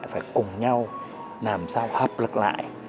phải cùng nhau làm sao hợp lực lại